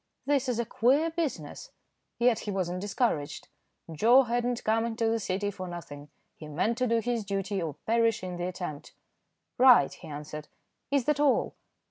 "This is a queer business." Yet he was not discouraged. Joe had not come into the City for nothing. He meant to do his duty or perish in the attempt. "Right," he answered. "Is that all?"